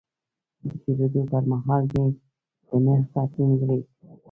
د پیرود پر مهال مې د نرخ بدلون ولید.